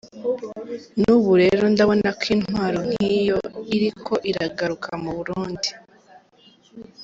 N'ubu rero ndabona ko intwaro nk'iyo iriko iragaruka mu Burundi".